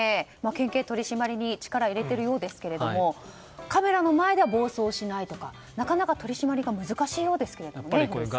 県警、取り締まりに力を入れているようですがカメラの前では暴走をしないとかなかなか取り締まりが難しいようですけどもね古市さん。